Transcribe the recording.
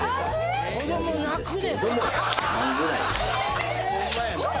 ・子ども泣くでこれ。